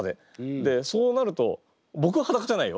でそうなると僕は裸じゃないよ。